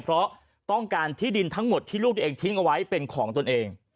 เพราะต้องการที่ดินทั้งหมดที่ลูกตัวเองทิ้งเอาไว้เป็นของตนเอง